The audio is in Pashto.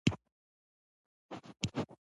چاکلېټ د خوشحالۍ شېبې اوږدې کوي.